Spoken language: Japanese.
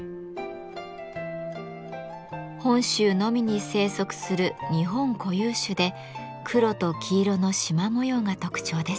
本州のみに生息する日本固有種で黒と黄色のしま模様が特徴です。